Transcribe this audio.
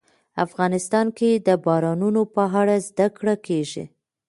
افغانستان کې د بارانونو په اړه زده کړه کېږي.